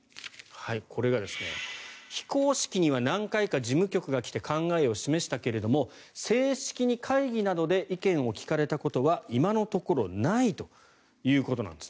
これが、非公式には何回か事務局が来て考えを示したけども正式に会議などで意見を聞かれたことは今のところないということです。